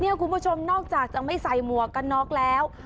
เนี่ยคุณผู้ชมนอกจากจะไม่ใส่หัวให้เบาขนอกแล้ว